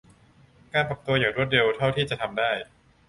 การปรับตัวอย่างรวดเร็วเท่าที่จะทำได้